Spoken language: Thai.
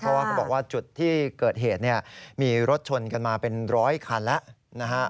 เพราะว่าจุดที่เกิดเหตุเนี่ยมีรถชนกันมาเป็นร้อยคันและ